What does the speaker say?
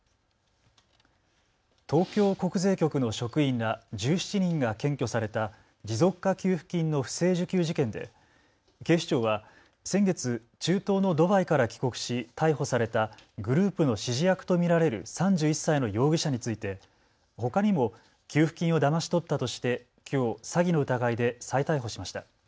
東京国税局の職員ら１７人が検挙された持続化給付金の不正受給事件で警視庁は先月、中東のドバイから帰国し逮捕されたグループの指示役と見られる３１歳の容疑者について、ほかにも給付金をだまし取ったとしてきょう詐欺の疑いで再逮捕しました。